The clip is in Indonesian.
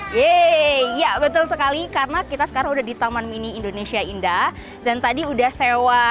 yeay ya betul sekali karena kita sekarang udah di taman mini indonesia indah dan tadi udah sewa